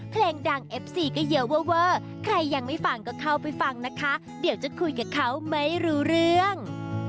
เพลงดังเอฟซีก็เยอะเวอร์เวอร์ใครยังไม่ฟังก็เข้าไปฟังนะคะเดี๋ยวจะคุยกับเขาไม่รู้เรื่อง